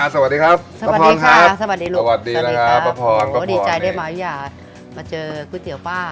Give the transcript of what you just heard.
สวัสดีครับประพรณ์ครับสวัสดีครับสวัสดีครับประพรณ์ประพรณ์ดีใจได้มาอย่ามาเจอกุ้ยเตี๋ยวป้า